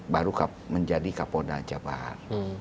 baru menjadi kapolda jabar